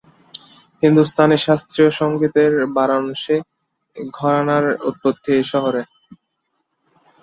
হিন্দুস্তানি শাস্ত্রীয় সংগীতের বারাণসী ঘরানার উৎপত্তি এই শহরে।